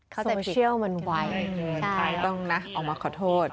เขาจะผิดใช่ต้องนะออกมาขอโทษ